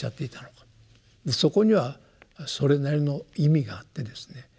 そこにはそれなりの意味があってですね